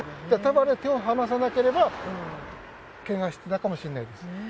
手を離さなければ、けがしてたかもしれないです。